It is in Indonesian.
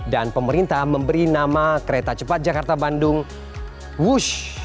dan pemerintah memberi nama kereta cepat jakarta bandung wush